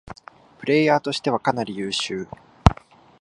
プレイヤーとしてはかなり優秀